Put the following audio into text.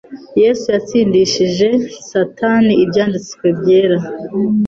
Yesu yatsindishije Satani Ibyanditswe byera.